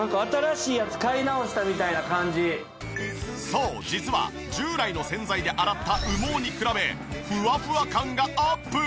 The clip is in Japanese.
そう実は従来の洗剤で洗った羽毛に比べフワフワ感がアップ！